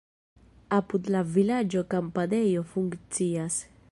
Apud la vilaĝo kampadejo funkcias.